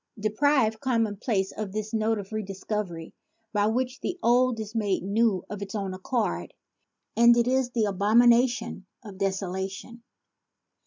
Deprive commonplace of this note of redis covery, by which the old is made new of its own accord, and it is the abomination of deso lation.